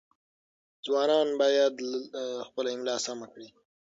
ځوانان باید خپله املاء سمه کړي.